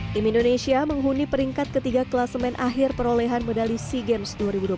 tim indonesia menghuni peringkat ketiga kelasemen akhir perolehan medali sea games dua ribu dua puluh tiga